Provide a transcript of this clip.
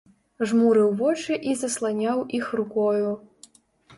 Жмурыў вочы і засланяў іх рукою.